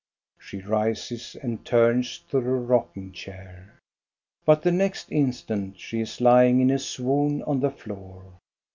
She rises and turns to the rocking chair. But the next instant she is lying in a swoon on the floor.